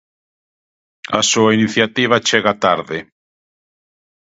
A súa iniciativa chega tarde.